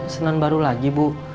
senang baru lagi bu